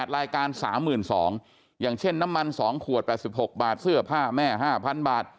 รายการ๓๒๐๐อย่างเช่นน้ำมัน๒ขวด๘๖บาทเสื้อผ้าแม่๕๐๐บาท